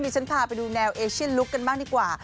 ฉันพาไปดูแนวเอเชียนลุคกันบ้างดีกว่า